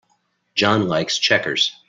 John likes checkers.